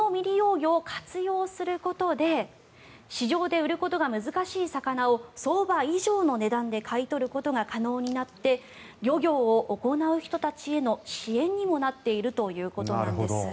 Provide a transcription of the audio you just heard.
魚を活用することで市場で売ることが難しい魚を相場以上の値段で買い取ることが可能になって漁業を行う人たちへの支援にもなっているということなんです。